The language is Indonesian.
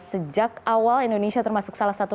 sejak awal indonesia termasuk salah satu